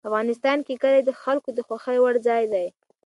افغانستان کې کلي د خلکو د خوښې وړ ځای دی.